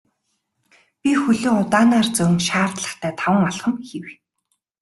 Би хөлөө удаанаар зөөн шаардлагатай таван алхам хийв.